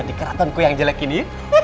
di keratonku yang jelek ini